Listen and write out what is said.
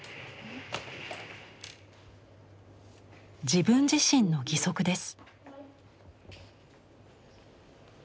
自分自身の義足です。